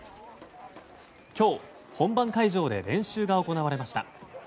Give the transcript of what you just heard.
今日、本番会場で練習が行われました。